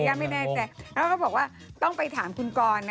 เอ้อย้าย่ำในในใจแล้วก็บอกว่าต้องไปถามคุณกรนะคะ